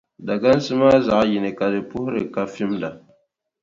Dagansi maa zaɣʼ yini ka di puhiri ka fimda.